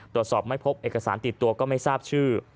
ตรวจสอบไม่พบเอกสารติดตัวก็ไม่ทราบชื่อ